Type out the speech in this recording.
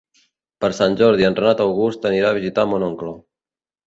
Per Sant Jordi en Renat August anirà a visitar mon oncle.